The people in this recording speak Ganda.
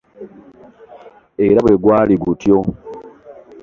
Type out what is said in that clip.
Era bwe gwali gutyo.